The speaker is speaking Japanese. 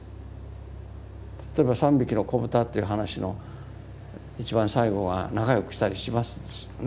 例えば「三びきのこぶた」という話の一番最後は仲良くしたりしますよね。